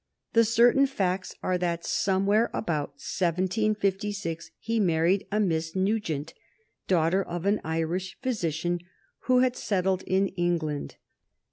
The certain facts are that somewhere about 1756 he married a Miss Nugent, daughter of an Irish physician who had settled in England.